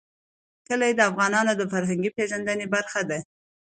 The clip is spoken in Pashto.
کلي د افغانانو د فرهنګي پیژندنې برخه ده.